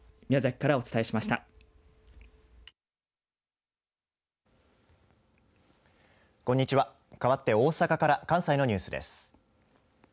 かわって大阪から関西のニュースです。